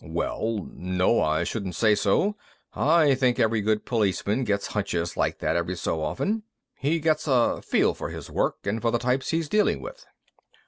"Well, no, I shouldn't say so. I think every good policeman gets hunches like that every so often. He gets a feel for his work and for the types he's dealing with."